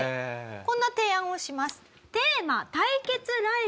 こんな提案をします。